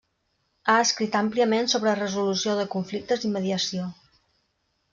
Ha escrit àmpliament sobre resolució de conflictes i mediació.